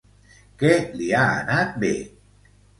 Què li ha anat bé?